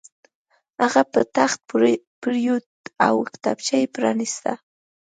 هغه په تخت پرېوت او کتابچه یې پرانیسته